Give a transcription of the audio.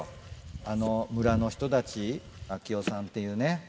あの村の人たち、明雄さんっていうね。